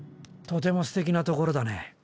とてもすてきなところだね。